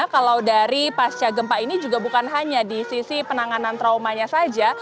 kalau dari pasca gempa ini juga bukan hanya di sisi penanganan traumanya saja